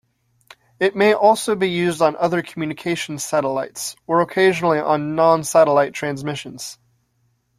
It may also be used on other communications satellites, or occasionally on non-satellite transmissions.